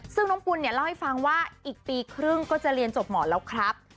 ซึ่งน้องปุ่นเนี่ยเล่าให้ฟังว่าอีกปีครึ่งก็จะเรียนจบหมอแล้วครับ